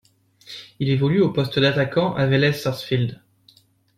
Il évolue au poste d'attaquant à Vélez Sarsfield.